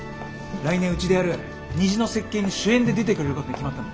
来年うちでやる「虹の設計」に主演で出てくれることに決まったんだ。